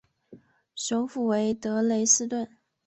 首府为德累斯顿。